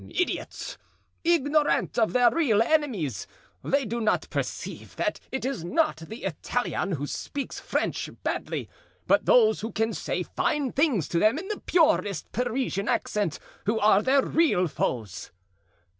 Idiots! ignorant of their real enemies, they do not perceive that it is not the Italian who speaks French badly, but those who can say fine things to them in the purest Parisian accent, who are their real foes.